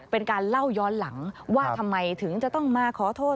เป็นการเล่าย้อนหลังว่าทำไมถึงจะต้องมาขอโทษ